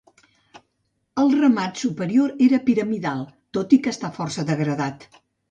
El remat superior era piramidal, tot i que està força degradat.